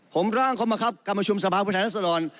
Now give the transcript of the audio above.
ผมร่างเข้ามาครับกรรมชุมสภาพุทธนักศรรณ